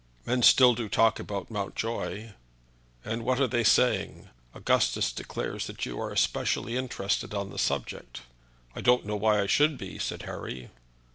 "Men still do talk about Mountjoy." "And what are they saying? Augustus declares that you are especially interested on the subject." "I don't know why I should be," said Harry.